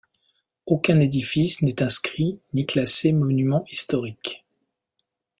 Aucun édifice n'est inscrit ni classé monument historique.